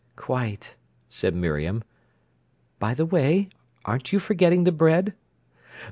"Quite," said Miriam. "By the way, aren't you forgetting the bread?"